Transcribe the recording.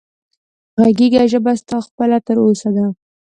غږېږه ژبه ستا خپله تر اوسه ده